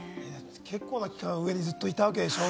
結構な期間、ずっと上にいたわけでしょう？